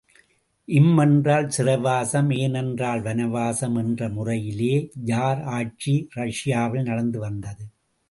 இம்மென்றால் சிறைவாசம் ஏனென்றால் வனவாசம் என்ற முறையிலே ஜார் ஆட்சி இரஷியாவில் நடந்து வந்தது.